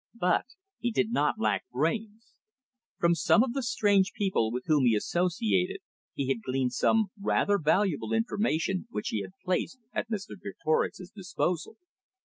But he did not lack brains. From some of the strange people with whom he associated, he had gleaned some rather valuable information which he had placed at Mr Greatorex's disposal.